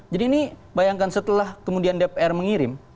jadi ini bayangkan setelah kemudian dpr mengirim